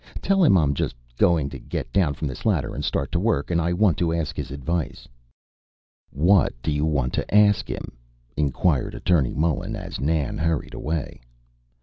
Tell him I'm just going to get down from this ladder and start to work, and I want to ask his advice." "What do you want to ask him?" inquired Attorney Mullen, as Nan hurried away.